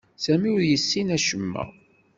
Sami ur yessin acemma.